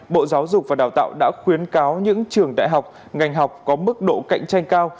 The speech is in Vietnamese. bộ giáo dục và đào tạo đã khuyến cáo những trường đại học ngành học có mức độ cạnh tranh cao